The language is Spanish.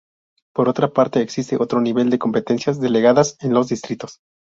Por otra parte existe otro nivel de competencias, delegadas en los "Distritos".